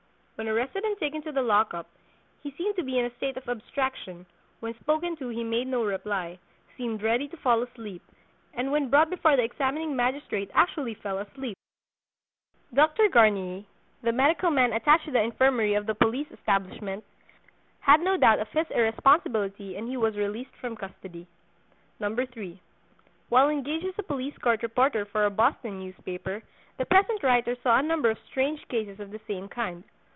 When arrested and taken to the lock up, he seemed to be in a state of abstraction; when spoken to he made no reply, seemed ready to fall asleep, and when brought before the examining magistrate actually fell asleep. Dr. Garnier, the medical man attached to the infirmary of the police establishment, had no doubt of his irresponsibility and he was released from custody. 3. While engaged as police court reporter for a Boston newspaper, the present writer saw a number of strange cases of the same kind.